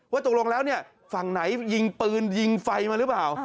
ตกลงแล้วเนี่ยฝั่งไหนยิงปืนยิงไฟมาหรือเปล่า